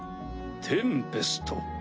テンペスト。